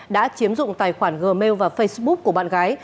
đã chiếm dụng tài khoản gmail và facebook của bạn gái